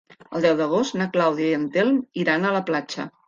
El deu d'agost na Clàudia i en Telm iran a la platja.